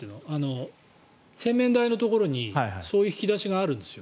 洗面台のところにそういう引き出しがあるんです。